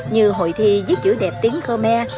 như hội thi giết chữ đẹp tiếng khmer